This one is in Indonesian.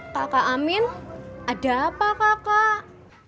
kakak amin ada apa kakak